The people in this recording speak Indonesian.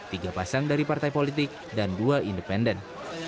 tiga pasang dari partai politik dan dua independen